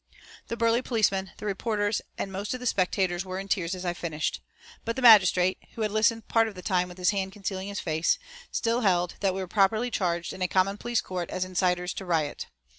The burly policemen, the reporters, and most of the spectators were in tears as I finished. But the magistrate, who had listened part of the time with his hand concealing his face, still held that we were properly charged in a common police court as inciters to riot.